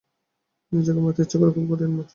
নিজেকে মারতে ইচ্ছে করে, খুব কঠিন মার।